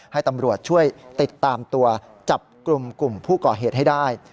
ให้ตำรวจช่วยติดตามตัวจับกลุ่มกลุ่มผู้ก่อเหตุให้ได้